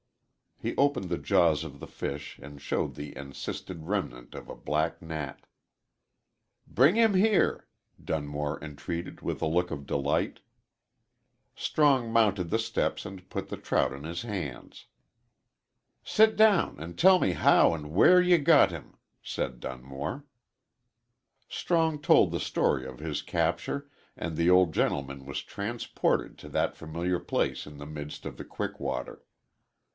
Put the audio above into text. He opened the jaws of the fish and showed the encysted remnant of a black gnat. "Bring him here," Dunmore entreated, with a look of delight. Strong mounted the steps and put the trout in his hands. "Sit down and tell me how and where you got him," said Dunmore. Strong told the story of his capture, and the old gentleman was transported to that familiar place in the midst of the quick water.